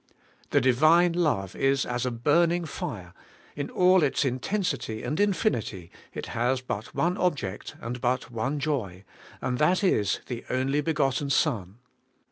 The Divine love is as a burning fire; in all its intensity and infinity it has but one object and but one joy, and that is the only begotten Son.